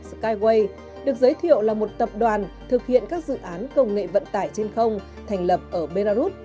skywei được giới thiệu là một tập đoàn thực hiện các dự án công nghệ vận tải trên không thành lập ở belarus